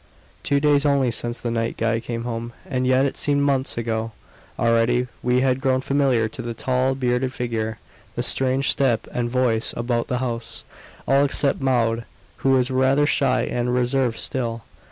Two days only since the night Guy came home, and yet it seemed months ago! Already we had grown familiar to the tall, bearded figure; the strange step and voice about the house; all except Maud, who was rather shy and reserved still.